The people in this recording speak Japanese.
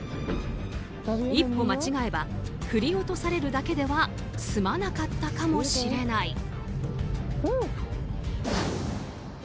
一歩間違えば振り落されるだけでは済まなかったかもしれない。